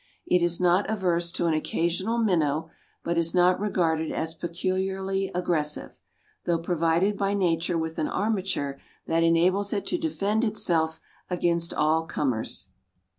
It is not averse to an occasional minnow, but is not regarded as peculiarly aggressive, though provided by nature with an armature that enables it to defend itself against all comers."